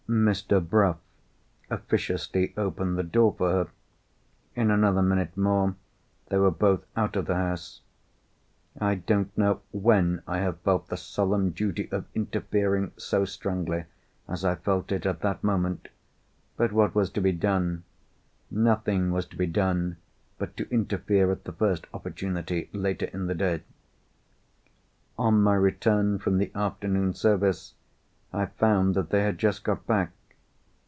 Mr. Bruff officiously opened the door for her. In another minute more they were both out of the house. I don't know when I have felt the solemn duty of interfering so strongly as I felt it at that moment. But what was to be done? Nothing was to be done but to interfere at the first opportunity, later in the day. On my return from the afternoon service I found that they had just got back.